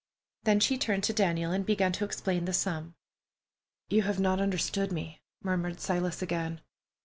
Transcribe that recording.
Then she turned to Daniel and began to explain the sum. "You have not understood me," murmured Silas again.